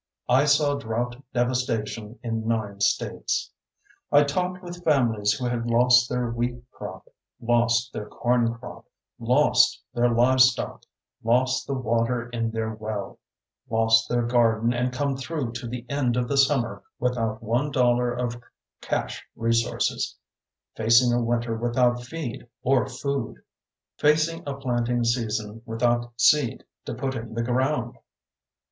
I saw drought devastation in nine states. I talked with families who had lost their wheat crop, lost their corn crop, lost their livestock, lost the water in their well, lost their garden and come through to the end of the summer without one dollar of cash resources, facing a winter without feed or food facing a planting season without seed to put in the ground.